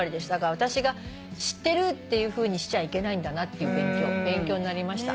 私が知ってるっていうふうにしちゃいけないんだなっていう勉強になりました。